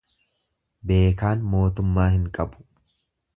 Beekaan mootummaa hin qabu.